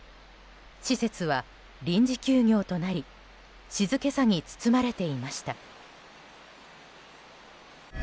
施設は臨時休業となり静けさに包まれていました。